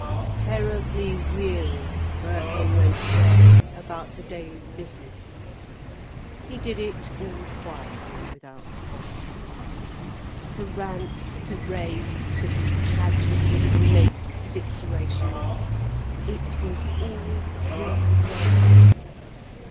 Terribly weary, Birkin went away, about the day's business. He did it all quietly, without bother. To rant, to rave, to be tragic, to make situations—it was all too late.